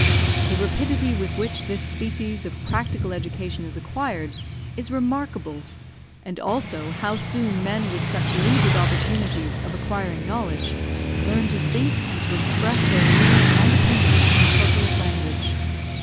The rapidity with which this species of practical education is acquired is remarkable, and also, how soon men with such limited opportunities of acquiring knowledge, learn to think and to express their views and opinions in appropriate language.